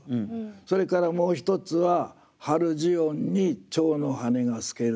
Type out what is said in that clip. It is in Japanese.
それからもう一つは「ハルジオン」に「蝶の羽」が透けるって。